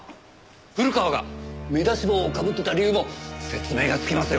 古川が目出し帽をかぶってた理由も説明がつきますよ。